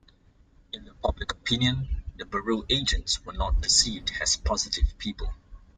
In the public opinion, the Bureau agents were not perceived as positive people.